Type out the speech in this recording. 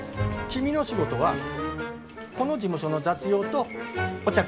君の仕事はこの事務所の雑用とお茶くみ。